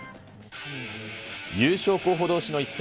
優勝候補どうしの一戦。